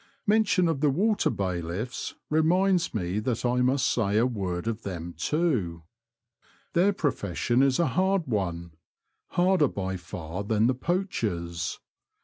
Mention of the water bailiffs reminds me that I must say a word of them too. Their profession is a hard one — harder by far than the poacher's.